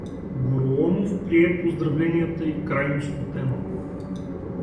Гороломов прие поздравленията й крайно смутен.